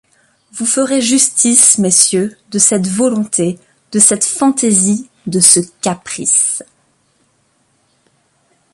Vous ferez justice, messieurs, de cette volonté, de cette fantaisie, de ce caprice.